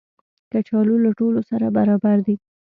کچالو له ټولو سره برابر دي